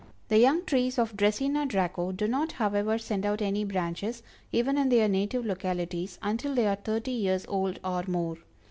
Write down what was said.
The young trees of Dracæna Draco do not, however, send out any branches, even in their native localities, until they are thirty years old or more.